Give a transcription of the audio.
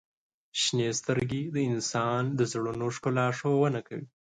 • شنې سترګې د انسان د زړونو ښکلا ښودنه کوي.